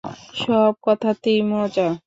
সব কথাতেই মজা।